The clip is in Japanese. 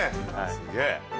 すげえ！